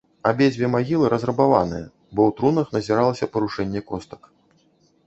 Абедзве магілы разрабаваныя, бо ў трунах назіралася парушэнне костак.